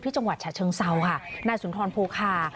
จังหวัดฉะเชิงเซาค่ะนายสุนทรภูคา